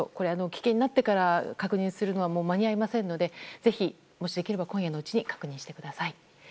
危険になってから確認するのは間に合いませんので今夜のうちに確認してください。